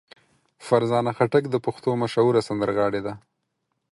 فرزانه خټک د پښتو مشهوره سندرغاړې ده.